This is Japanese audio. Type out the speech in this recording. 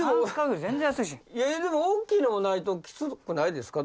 でもおっきいのがないときつくないですか？